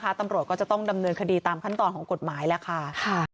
ตำรวจก็จะต้องดำเนินคดีตามขั้นตอนของกฎหมายแล้วค่ะ